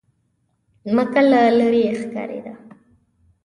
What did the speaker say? مکه له لرې ښکارېده.